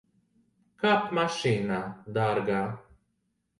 Kāp mašīnā, dārgā.